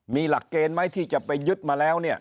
มีหลักเกณฑ์ไหมที่จะไปยึดมาแล้วเนี่ย